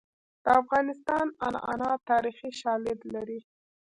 د افغانستان عنعنات تاریخي شالید لري.